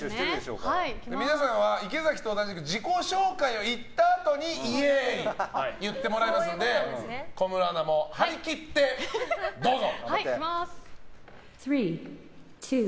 皆さんは池崎と同じく自己紹介を言ったあとイエーイ！を言ってもらうので小室アナも張り切ってどうぞ。